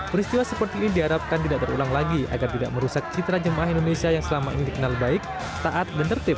peristiwa seperti ini diharapkan tidak terulang lagi agar tidak merusak citra jemaah indonesia yang selama ini dikenal baik taat dan tertib